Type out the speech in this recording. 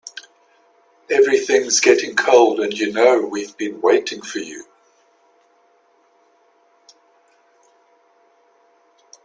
Everything's getting cold and you know we've been waiting for you.